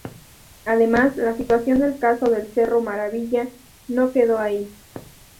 Además la situación del caso del Cerro Maravilla no quedó ahí.